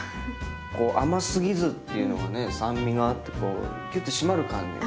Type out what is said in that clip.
こう甘すぎずっていうのがね酸味があってキュッと締まる感じが。